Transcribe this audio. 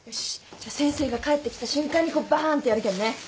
じゃ先生が帰ってきた瞬間にバーンとやるけんね。